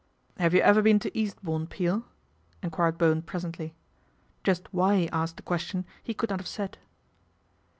" Have you ever been to Eastbourne, Peel ?" enquired Bowen presently. Just why he asked the question he could not have said.